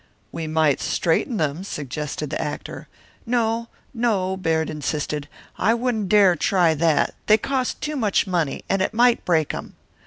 "We might straighten them," suggested the actor. "No, no," Baird insisted, "I wouldn't dare try that. They cost too much money, and it might break 'em.